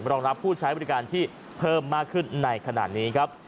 รองรับผู้ใช้บริการที่เพิ่มมากขึ้นในขณะนี้ครับ